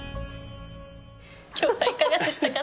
今日はいかがでしたか？